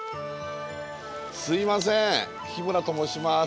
すいません日村と申します。